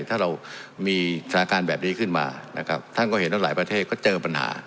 ถ้าเรามีสถานการณ์แบบนี้ขึ้นมานะครับท่านก็เห็นแล้วหลายประเทศก็เจอปัญหา